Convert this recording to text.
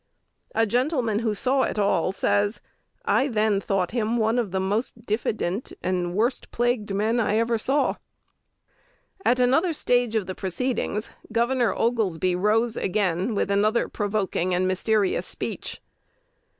A gentleman who saw it all says, "I then thought him one of the most diffident and worst plagued men I ever saw." At another stage of the proceedings, Gov. Oglesby rose again with another provoking and mysterious speech.